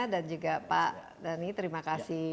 dan juga pak dhani terima kasih juga